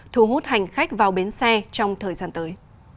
thu hút hành khách vào bến xe trong thời gian tới